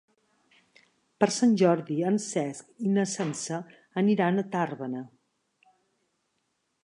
Per Sant Jordi en Cesc i na Sança aniran a Tàrbena.